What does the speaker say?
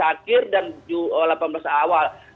dua ribu tujuh belas akhir dan dua ribu delapan belas awal